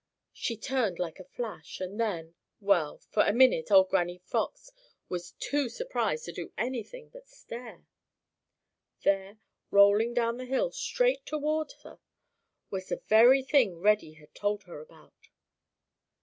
She turned like a flash and then well, for a minute old Granny Fox was too surprised to do anything but stare. There, rolling down the hill straight towards her, was the very thing Reddy had told her about.